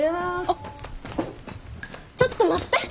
あっちょっと待って。